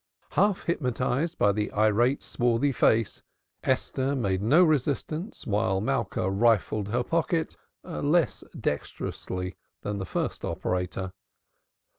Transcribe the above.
Half hypnotized by the irate swarthy face, Esther made no resistance while Malka rifled her pocket less dexterously than the first operator.